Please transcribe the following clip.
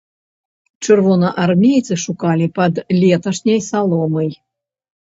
Чырвонаармейцы шукалі пад леташняй саломай.